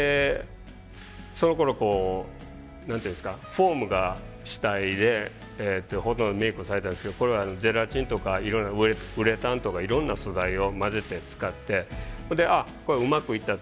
そのころこう何て言うんですかフォームが主体でほとんどメイクをされたんですけどこれはゼラチンとかいろんなウレタンとかいろんな素材を混ぜて使ってそれで「ああこれうまくいった」と。